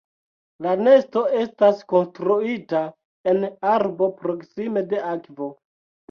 La nesto estas konstruita en arbo proksime de akvo.